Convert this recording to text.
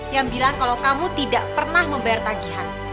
yang bilang kalau kamu tidak pernah membayar tagihan